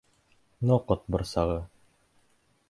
Ноҡот борсағы.